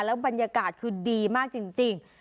แล้วก็บรรยากาศคือดีมากจริง